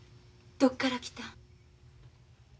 どっから来たん？